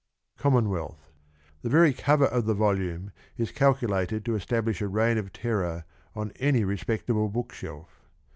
COMMONWEALTH. The very cover of the volume is calculated to establish a reign of terror on any respectable bookshelf.